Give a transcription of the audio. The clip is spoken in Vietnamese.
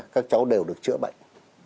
các cháu đều được chữa bệnh